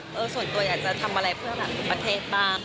ส่วนตัวอยากจะทำอะไรเพื่อแบบประเทศบ้าง